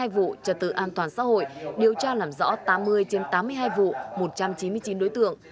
hai mươi vụ trật tự an toàn xã hội điều tra làm rõ tám mươi trên tám mươi hai vụ một trăm chín mươi chín đối tượng